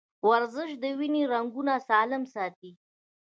ورزش د وینې رګونه سالم ساتي.